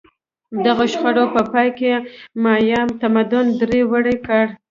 دغو شخړو په پایله کې مایا تمدن دړې وړې کړ.